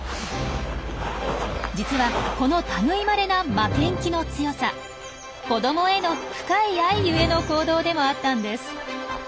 実はこの類いまれな負けん気の強さ子どもへの深い愛ゆえの行動でもあったんです。